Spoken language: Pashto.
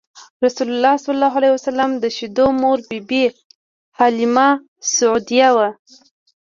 رسول الله ﷺ د شیدو مور بی بی حلیمه سعدیه وه.